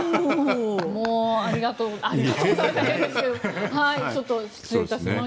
ありがとうございます。